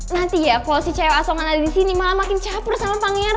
nanti ya porsi cewek asongan ada di sini malah makin capur sama pangeran